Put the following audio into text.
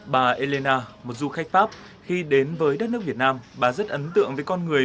bà elina một du khách pháp khi đến với đất nước việt nam bà rất ấn tượng với con người